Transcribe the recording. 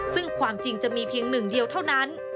ซึ่งความจริงจะมีเพียงหนึ่งเดียวเท่านั้น